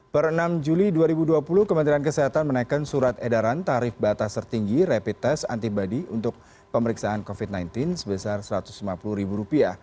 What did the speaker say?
per enam juli dua ribu dua puluh kementerian kesehatan menaikkan surat edaran tarif batas tertinggi rapid test antibody untuk pemeriksaan covid sembilan belas sebesar rp satu ratus lima puluh